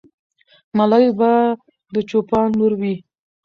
ملالۍ به د چوپان لور وي.